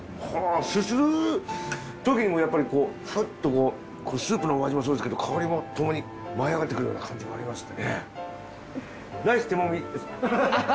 すするときにもやっぱりふっとこうスープのお味もするんですけど香りもともに舞い上がってくる感じもありましてね。